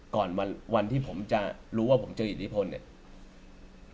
ก่อนวันที่ผมจะรู้ว่าผมเจออิทธิพลเนี่ย